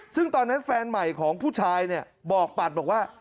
ซึ่งตอนนั้นแฟนใหม่ของผู้ชายเนี่ยบอกปัดบอกว่า